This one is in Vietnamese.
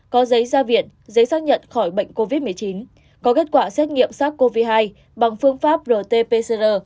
có giấy ra viện giấy xác nhận khỏi bệnh covid một mươi chín có kết quả xét nghiệm sars cov hai bằng phương pháp rt pcr